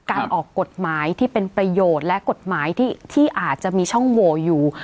ออกกฎหมายที่เป็นประโยชน์และกฎหมายที่อาจจะมีช่องโหวอยู่